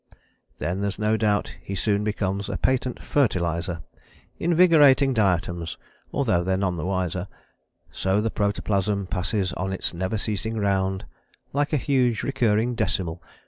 Then there's no doubt he soon becomes a Patent Fertilizer, Invigorating diatoms, although they're none the wiser, So the protoplasm passes on its never ceasing round, Like a huge recurring decimal